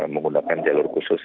menggunakan jalur khusus yang sepeda